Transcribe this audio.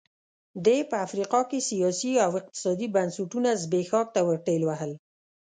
دې په افریقا کې سیاسي او اقتصادي بنسټونه زبېښاک ته ورټېل وهل.